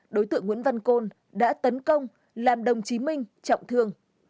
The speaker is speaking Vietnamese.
đối tượng nguyễn văn côn đã tấn công làm đồng chí minh trọng thương